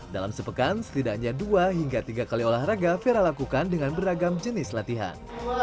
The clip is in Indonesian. dalam sepekan setidaknya dua hingga tiga kali olahraga vera lakukan dengan beragam jenis latihan